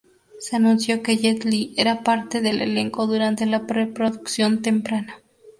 Se anunció que Jet Li era parte del elenco durante la preproducción temprana.